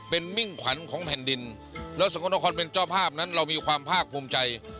เป็นมิ่งขวัญของแผ่นดินแล้วสกลนครเป็นเจ้าภาพนั้นเรามีความภาคภูมิใจ